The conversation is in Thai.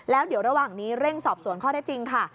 แล้วเดี๋ยวระหว่างนี้เร่งสอบสวนข้อได้จริงค่ะ